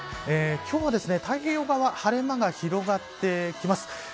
今日は太平洋側晴れ間が広がってきます。